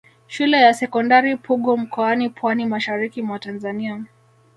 Shule ya sekondari Pugu mkoani Pwani mashariki mwa Tanzania